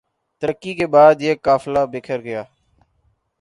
ترکی کے بعد یہ قافلہ بکھر گیا